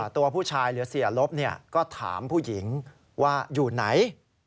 ตัวผู้ชายหรือเสียลบก็ถามผู้หญิงว่าอยู่ไหน